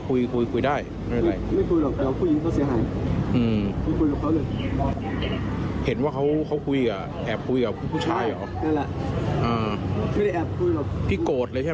ผมแค่เอามาโผล่หัวแต่มันแค่เข้าจริงเลย